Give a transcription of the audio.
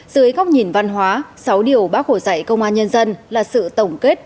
dưới góc nhìn văn hóa sáu điều bác hồ dạy công an nhân dân là sự tổng kết